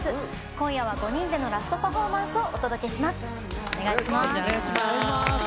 今夜は５人でのラストパフォーマンスをお届けします。